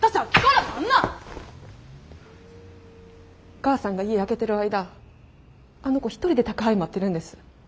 お母さんが家空けてる間あの子一人で宅配待ってるんです。